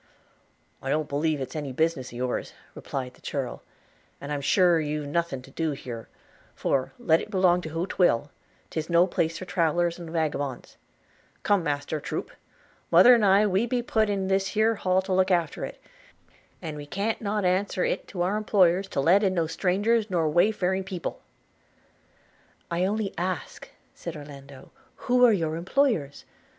'I don't believe 'tis any business of yours,' replied the churl, 'and I'm sure you've nothing to do here; for, let it belong to who 'twill – 'tis no place for travelers and wagabons – Come, master, troop! mother and I we be put in this here Hall to look after it, and we can't not answer it to our employers to let in no strangers nor wayfaring people.' 'I only ask,' said Orlando, 'who are your employers?